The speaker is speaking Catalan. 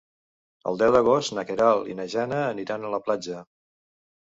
El deu d'agost na Queralt i na Jana aniran a la platja.